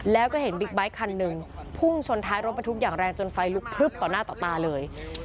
แล้วก็เห็นบิ๊กไบท์คันหนึ่งพุ่งชนท้ายรถบรรทุกอย่างแรงจนไฟลุกพลึบต่อหน้าต่อตาเลย